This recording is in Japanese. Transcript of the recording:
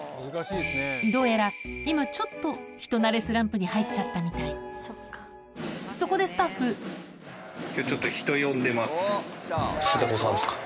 どうやら今ちょっと人なれスランプに入っちゃったみたいそこでスタッフステテコさんですか？